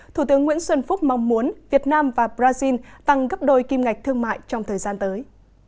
thủ tướng nguyễn xuân phúc mong muốn việt nam và brazil tăng gấp đôi kim ngạch thương mại trong thời gian tới